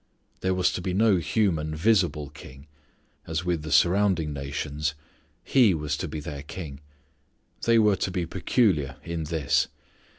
There was to be no human, visible king, as with the surrounding nations. He was to be their king. They were to be peculiar in this.